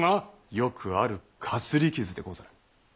よくあるかすり傷でござる。